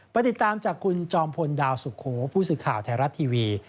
ติดตามจากคุณจอมพลดาวสุโขผู้สื่อข่าวไทยรัฐทีวี